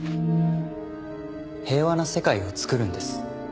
平和な世界をつくるんです。